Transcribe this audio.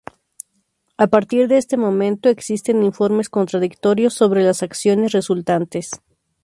A partir de este momento, existen informes contradictorios sobre las acciones resultantes.